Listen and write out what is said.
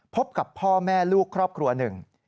พบกับพ่อแม่ลูกครอบครัวหนึ่ง